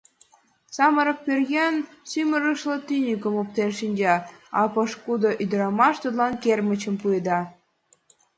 Самырык пӧръеҥ сӱмырлышӧ тӱньыкым оптен шинча, а пошкудо ӱдырамаш тудлан кермычым пуэда.